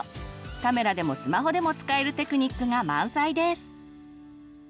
カメラでもスマホでも使えるテクニックが満載です！